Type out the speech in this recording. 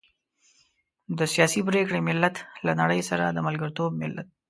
د سياسي پرېکړې ملت، له نړۍ سره د ملګرتوب ملت.